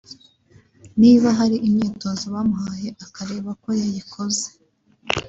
niba hari imyitozo bamuhaye akareba ko yayikoze